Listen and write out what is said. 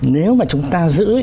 nếu mà chúng ta giữ